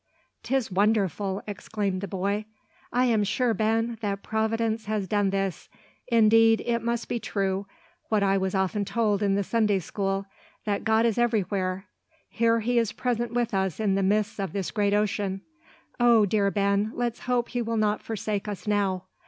"'Tis wonderful!" exclaimed the boy. "I am sure, Ben, that Providence has done this. Indeed, it must be true what I was often told in the Sunday school, that God is everywhere. Here He is present with us in the midst of this great ocean. O, dear Ben, let's hope He will not forsake us now.